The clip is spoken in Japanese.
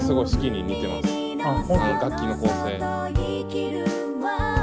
すごいな！